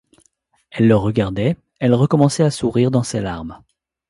Elle le regardait, elle recommençait à sourire dans ses larmes.